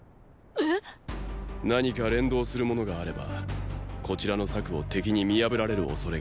えっ⁉何か連動するものがあればこちらの策を敵に見破られる恐れがある。